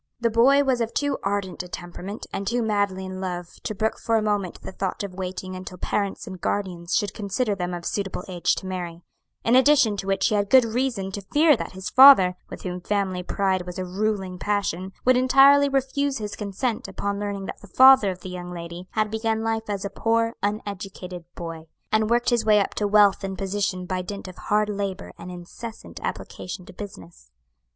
"The boy was of too ardent a temperament, and too madly in love, to brook for a moment the thought of waiting until parents and guardians should consider them of suitable age to marry, in addition to which he had good reason to fear that his father, with whom family pride was a ruling passion, would entirely refuse his consent upon learning that the father of the young lady had begun life as a poor, uneducated boy, and worked his way up to wealth and position by dint of hard labor and incessant application to business.